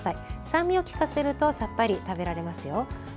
酸味を効かせるとさっぱり食べられますよ。